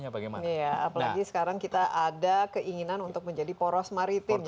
apalagi sekarang kita ada keinginan untuk menjadi poros maritim ya